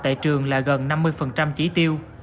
tại trường là gần năm mươi chỉ tiêu